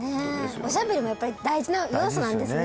おしゃべりもやっぱり大事な要素なんですね